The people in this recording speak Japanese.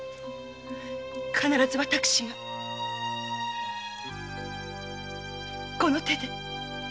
必ず私がこの手で！